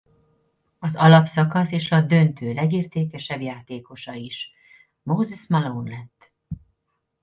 Az alapszakasz és a döntő legértékesebb játékosa is Moses Malone lett.